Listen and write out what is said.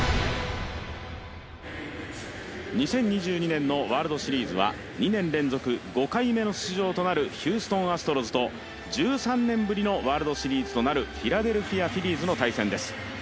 ２０２２年のワールドシリーズは２年連続５回目の出場となるヒューストン・アストロズと１３年ぶりのワールドシリーズとなるフィラデルフィア・フィリーズの対戦です。